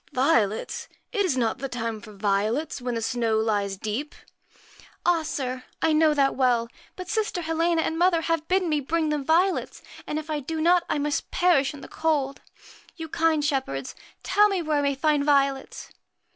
1 Violets ! It is not the time for violets, when the snow lies deep ?' 70 'Ah, sir! I know that well; but sister Helena PRETTY and mother have bidden me bring them violets, MAR and if I do not I must perish in the cold. You, USCHKA kind shepherds, tell me where I may find violets